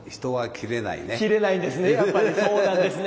斬れないんですね。